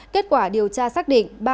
kết quả điều tra xác định